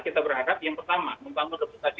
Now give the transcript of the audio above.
kita berharap yang pertama membangun representasi